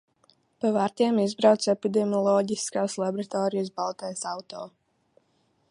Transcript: Pa vārtiem izbrauc epidemiloģiskās laboratorijas baltais auto.